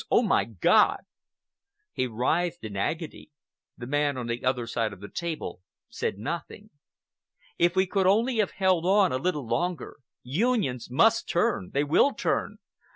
Oh, my God!" He writhed in agony. The man on the other side of the table said nothing. "If we could only have held on a little longer! 'Unions' must turn! They will turn!